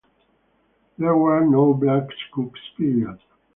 There were no black cooks period.